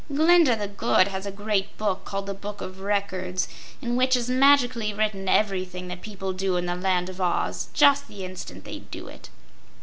Glinda the Good has a Great Book called the Book of Records, in which is magically written everything that people do in the Land of Oz, just the instant they do it."